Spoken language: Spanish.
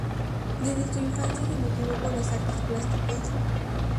Desde su infancia se motivó por las artes plásticas.